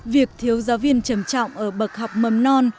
việc thiếu giáo viên trầm trọng ở bậc học mầm non